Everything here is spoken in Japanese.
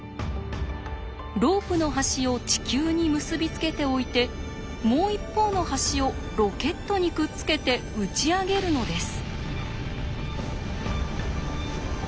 ロープの端を地球に結び付けておいてもう一方の端をロケットにくっつけて打ち上げるのです。